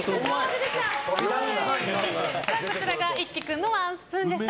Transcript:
こちらが一輝君のワンスプーンでした。